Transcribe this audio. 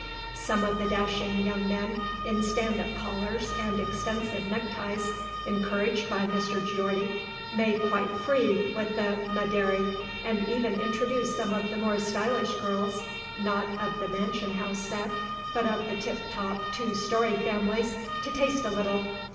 Some of the dashing young men in stand up collars and extensive neckties, encouraged by Mr. Geordie, made quite free with the "Ma, dary," and even induced some of the more stylish girls not of the mansion house set, but of the tip top two story families to taste a little.